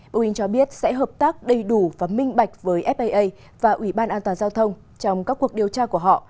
boeing cho biết sẽ hợp tác đầy đủ và minh bạch với faa và ủy ban an toàn giao thông trong các cuộc điều tra của họ